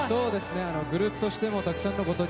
グループとしてもたくさんのことに